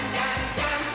ジャンプ！！